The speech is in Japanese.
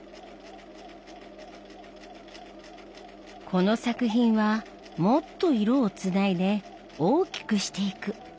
この作品はもっと色をつないで大きくしていく。